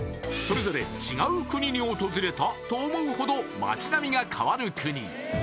それぞれ違う国に訪れた？と思うほど街並みが変わる国